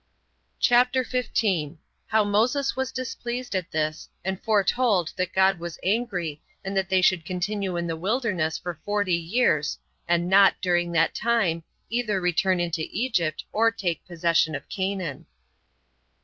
CHAPTER 15. How Moses Was Displeased At This, And Foretold That God Was Angry And That They Should Continue In The Wilderness For Forty Years And Not, During That Time, Either Return Into Egypt Or Take Possession Of Canaan.